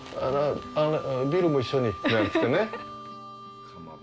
ビールも一緒に、なんて言ってね。